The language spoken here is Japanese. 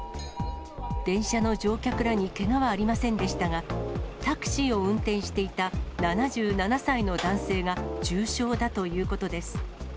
電車の乗客らにけがはありませんでしたが、タクシーを運転していた７７歳の男性が、重傷だということです。